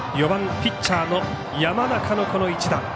４番、ピッチャーの山中の一打。